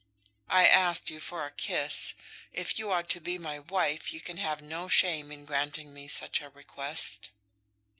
"I asked you for a kiss. If you are to be my wife you can have no shame in granting me such a request.